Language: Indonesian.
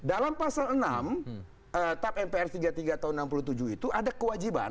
dalam pasal enam tap mpr tiga puluh tiga tahun seribu sembilan ratus enam puluh tujuh itu ada kewajiban